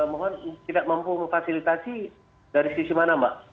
mohon tidak mampu memfasilitasi dari sisi mana mbak